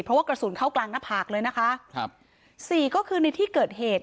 เพราะว่ากระสุนเข้ากลางหน้าผากเลยนะคะครับสี่ก็คือในที่เกิดเหตุ